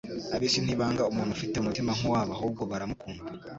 Ab'isi ntibanga umuntu ufite umutima nk'uwabo, ahubwo baramukunda.